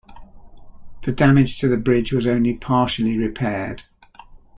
The damage to the bridge was only partially repaired.